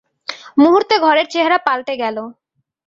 মুহূর্তে ঘরের চেহারা পাল্টে গেল।